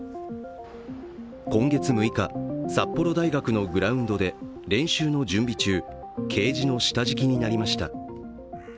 今月６日、札幌大学のグラウンドで練習の準備中ケージの下敷きになりました。